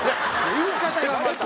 言い方がまた。